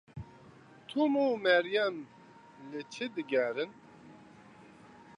Tom û Meryem li çi digerin?